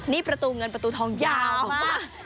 นี่ประตูเงินประตูทองยาวมาก